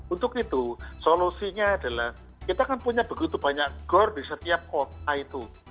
untuk itu solusinya adalah kita kan punya begitu banyak gor di setiap kota itu